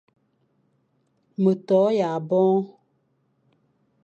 Ma to yʼaboñ,